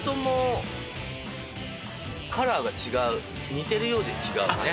似てるようで違うね。